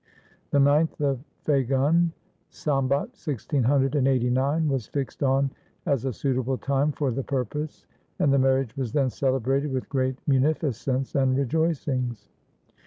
The ninth of Phagun, Sambat 1689, was fixed on as a suitable time for the purpose, and the marriage was then celebrated with great munificence and rejoicings.